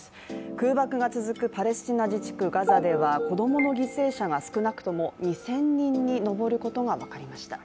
空爆が続くパレスチナ自治区ガザでは子供の犠牲者が少なくとも２０００人に上ることが分かりました。